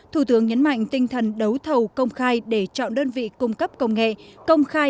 thủ tướng nhấn mạnh tinh thần đấu thầu công khai để chọn đơn vị cung cấp công nghệ công khai